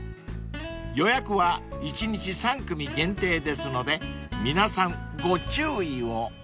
［予約は一日３組限定ですので皆さんご注意を］